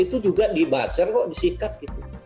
itu juga dibaser kok disikat gitu